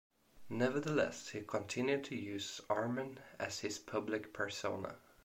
Nevertheless, he continued to use "Arman" as his public persona.